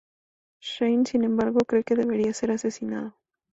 Shane, sin embargo, cree que debería ser asesinado.